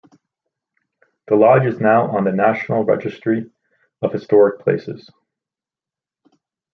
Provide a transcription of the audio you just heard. The lodge is now on the National Register of Historic Places.